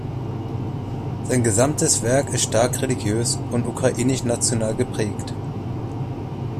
Sein gesamtes Werk ist stark religiös und ukrainisch-national geprägt.